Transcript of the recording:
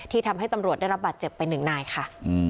ทำให้ตำรวจได้รับบาดเจ็บไปหนึ่งนายค่ะ